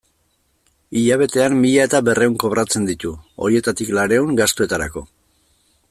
Hilabetean mila eta berrehun kobratzen ditu, horietatik laurehun gastuetarako.